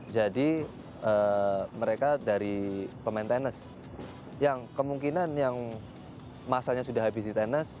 jadi mereka dari pemain tenis yang kemungkinan yang masanya sudah habis di tenis